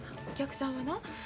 お客さんはな